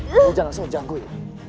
jangan langsung menjagui